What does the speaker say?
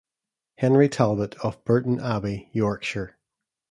Henry Talbot of Burton Abbey, Yorkshire.